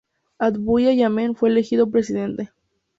Abdulla Yameen fue elegido presidente.